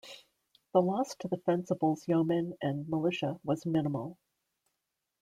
The loss to the fencibles yeomen and militia was minimal.